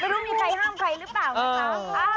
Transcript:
รู้มีใครห้ามใครหรือเปล่านะคะ